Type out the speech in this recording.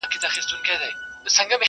د ښار کوڅې به وي لښکر د ابوجهل نیولي.!